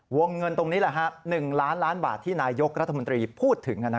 วงเงินตรงนี้๑ล้านล้านบาทที่นายกรัฐมนตรีพูดถึง